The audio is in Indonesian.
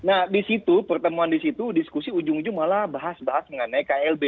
nah di situ pertemuan di situ diskusi ujung ujung malah bahas bahas mengenai klb